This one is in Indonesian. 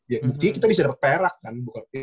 ya buktinya kita bisa dapat perak kan